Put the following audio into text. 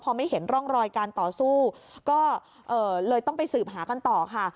พอไม่เห็นร่องรอยการต่อสู้ก็เลยต้องไปสืบหากันต่อค่ะ